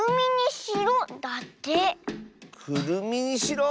「くるみにしろ」？